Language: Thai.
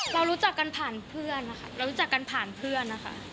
เรารู้จักกันผ่านเพื่อนนะคะ